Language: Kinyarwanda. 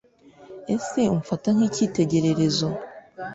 ese umfata nk’ikitegererezo?